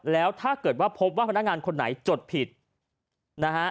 แล้วถ้าเกิดว่าพบว่าพนักงานคนไหนจดผิดนะฮะ